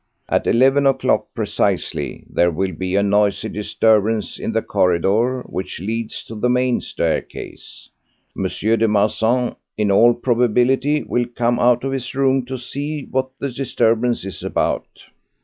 At eleven o'clock precisely there will be a noisy disturbance in the corridor which leads to the main staircase. M. de Marsan, in all probability, will come out of his room to see what the disturbance is about.